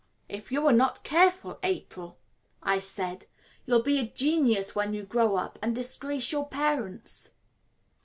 "If you are not careful, April," I said, "you'll be a genius when you grow up and disgrace your parents."